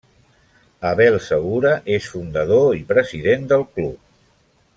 Abel Segura és fundador i president del club.